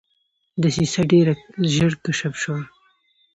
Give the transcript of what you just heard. دسیسه ډېره ژر کشف شوه.